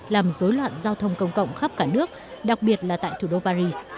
làm dối loạn giao thông công cộng khắp cả nước đặc biệt là tại thủ đô paris